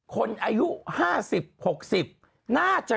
คนอายุห้าสิบหกสิบน่าจะ